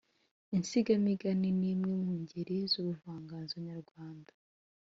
Insigamigani ni imwe mu ngeri z’ubuvanganzo nyarwanda